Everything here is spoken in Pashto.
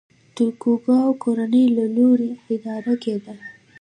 توکوګاوا کورنۍ له لوري اداره کېده.